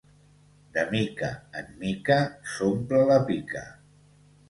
De mica en mica s'omple la pica.